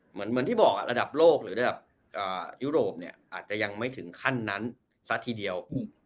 เหมือนที่บอกระดับโลกหรือระดับยุโรปเนี่ยอาจจะยังไม่ถึงขั้นนั้นซะทีเดียว